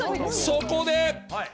そこで。